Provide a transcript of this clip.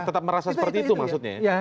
tetap merasa seperti itu maksudnya ya